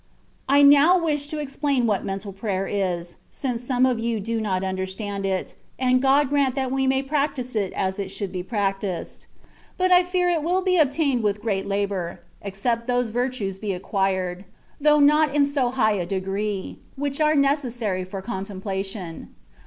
I now wish to explain what mental prayer is, since some of you do not understand it — and God grant that we may practise it as it should be prac tised — ^but I fear it will be obtained with great THE WAY OF FERFECTIOK. 75 labour^ except those virtues be acquired (though not in so high a degree), which are necessary for contemplation.